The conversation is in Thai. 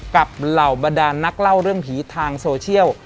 เหล่าบรรดานนักเล่าเรื่องผีทางโซเชียล